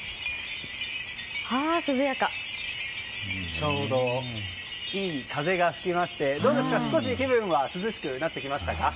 ちょうどいい風が吹きましてどうですか、気分は涼しくなってきましたか。